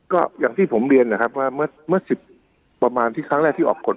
ก็อย่างที่ผมเรียนนะครับว่าเมื่อ๑๐ประมาณที่ครั้งแรกที่ออกกฎ